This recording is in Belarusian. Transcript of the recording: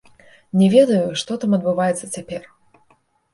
Не ведаю, што там адбываецца цяпер.